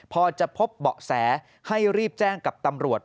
พอจะพบเบาะแสให้รีบแจ้งกับตำรวจ